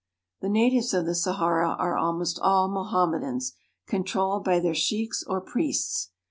The natives of the Sahara are almost all Mohammedans, controlled by their sheiks or priests.